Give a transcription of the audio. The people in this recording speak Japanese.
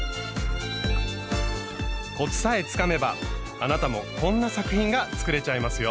コツさえつかめばあなたもこんな作品が作れちゃいますよ。